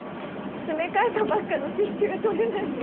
詰め替えたばっかのティッシュが取れないの。